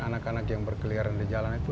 anak anak yang berkeliaran di jalan itu